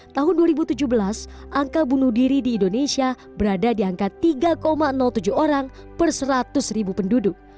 tahun dua ribu tujuh belas angka bunuh diri di indonesia berada di angka tiga tujuh orang per seratus ribu penduduk